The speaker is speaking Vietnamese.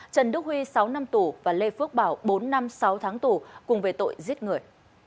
trần đức huy sáu năm tù và lê phước bảo bốn năm sáu tháng tù cùng về tội giết người